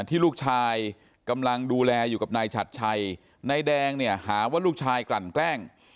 ที่ลูกชายกำลังดูแลอยู่กับนายฉัดชัยนายแดงเนี่ยหาว่าลูกชายกลั่นแกล้ง